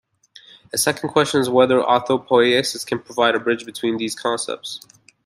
A second question is whether autopoiesis can provide a bridge between these concepts.